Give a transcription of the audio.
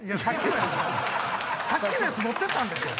さっきのやつ持ってったんでしょ？